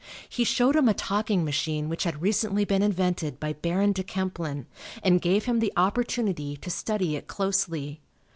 He showed him a talking machine which had recently been invented by Baron de Kempelin, and gave him the opportunity to study it closely.